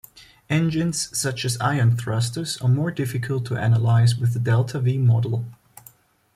Engines such as ion thrusters are more difficult to analyze with the delta-"v" model.